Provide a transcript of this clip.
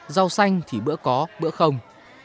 rau xanh thì bữa có bữa không